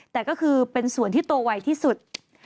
แต่ก็คือเป็นส่วนที่โตไวที่สุด